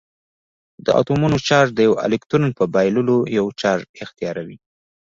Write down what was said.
د اتومونو چارج د یوه الکترون په بایللو یو چارج اختیاروي.